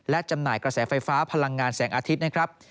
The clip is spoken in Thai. และจำหน่ายกระแสไฟฟ้าพลังงานแสงอาทิตย์นะครับ